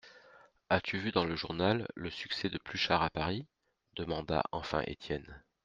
As-tu vu dans le journal le succès de Pluchart à Paris ? demanda enfin Étienne.